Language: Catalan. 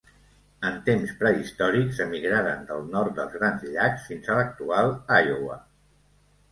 En temps prehistòrics emigraren del Nord dels Grans Llacs fins a l'actual Iowa.